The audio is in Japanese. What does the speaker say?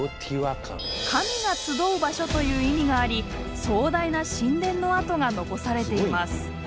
神が集う場所という意味があり壮大な神殿の跡が残されています。